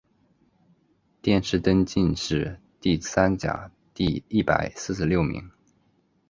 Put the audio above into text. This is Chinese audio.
殿试登进士第三甲第一百四十六名。